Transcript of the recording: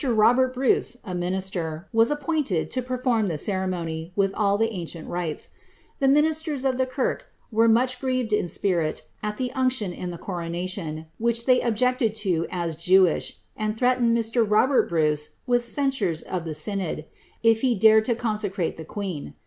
Robert Bruce, a minister, was appointed to per form ihc ceremony, with all the ancient riles. The ministers of the ki .i were much grieved in spirh at the unction in the coronation, which ther objected lo as Jewish, and threatened Mr. Robert Bruce with ceiifiire.' of Hie synod, if he dared lo consecrate ihe queen.